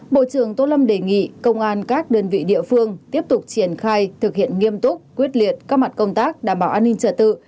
bộ trưởng tô lâm đề nghị công an các đơn vị địa phương tiếp tục triển khai thực hiện nghiêm túc quyết liệt các mặt công tác đảm bảo an ninh trật tự